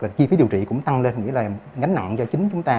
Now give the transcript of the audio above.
và chi phí điều trị cũng tăng lên nghĩa là gánh nặng cho chính chúng ta